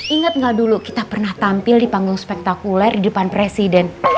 ingat nggak dulu kita pernah tampil di panggung spektakuler di depan presiden